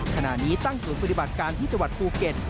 ขณะนี้ตั้งศูนย์ปฏิบัติการที่จังหวัดภูเก็ต